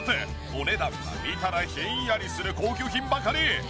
お値段は見たらひんやりする高級品ばかり。